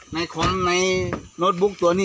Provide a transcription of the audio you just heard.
ในของในโน้ตบุ๊กตัวนี้